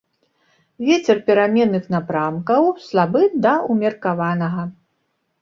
Вецер пераменных напрамкаў слабы да ўмеркаванага.